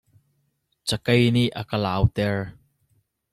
Cakei nih a ka lau ter.